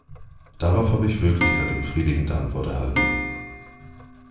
Darauf habe ich wirklich keine befriedigende Antwort erhalten.